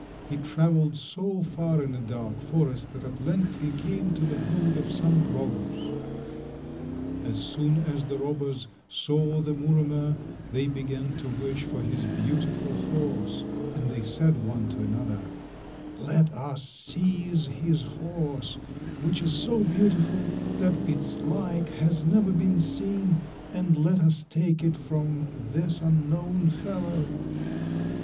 He travelled so far in a dark forest that at length he came to the hold of some robbers. As soon as the robbers saw the Muromer, they began to wish for his beautiful horse, and they said one to another— "Let us seize this horse, which is so beautiful that its like has never been seen, and let us take it from this unknown fellow."